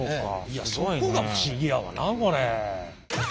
そこが不思議やわなこれ。